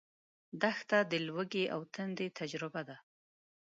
دښته د لوږې او تندې تجربه ده.